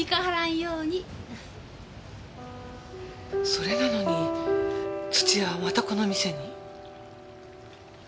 それなのに土屋はまたこの店に？